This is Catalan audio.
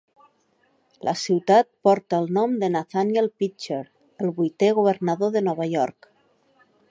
La ciutat porta el nom de Nathaniel Pitcher, el vuitè governador de Nova York.